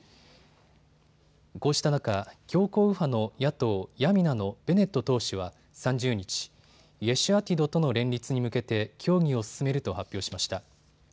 こうした中、強硬右派の野党、ヤミナのベネット党首は３０日、イェシュアティドとの連立に向けて協議を進めると発表しました。